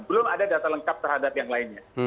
belum ada data lengkap terhadap yang lainnya